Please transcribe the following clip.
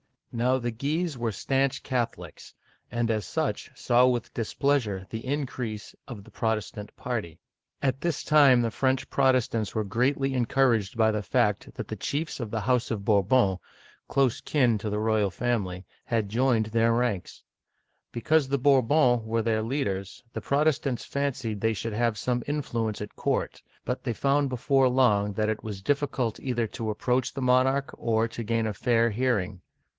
Now the Guises were stanch Catholics, and as such saw with displeasure the increase of the Protestant party. At this time the French Protestants were greatly en couraged by the fact that the chiefs of the House of Bourbon — close kin to the royal family — had joined uigitizea oy vjiOOQlC FR.\NCIS II. (1559 1560) 251 their ranks. Because the Bourbons were their leaders, the Protestants fancied they should have some influence at court ; but they found before long that it was difficult either to approach the monarch, or to gain a fair hearing.